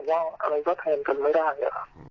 แล้วอีกก็เทนกันไม่ได้